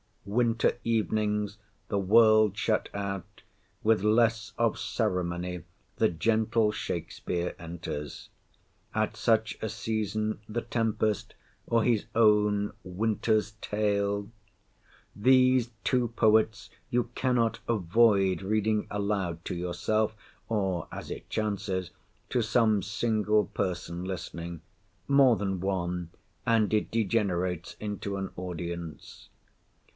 Winter evenings—the world shut out—with less of ceremony the gentle Shakspeare enters. At such a season, the Tempest, or his own Winter's Tale— These two poets you cannot avoid reading aloud—to yourself, or (as it chances) to some single person listening. More than one—and it degenerates into an audience.